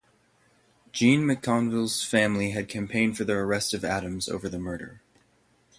Jean McConville's family had campaigned for the arrest of Adams over the murder.